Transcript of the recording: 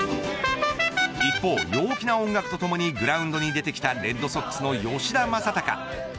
一方、陽気な音楽とともにグラウンドに出てきたレッドソックスの吉田正尚。